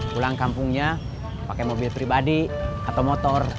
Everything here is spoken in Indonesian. pulang kampungnya pakai mobil pribadi atau motor